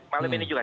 malam ini juga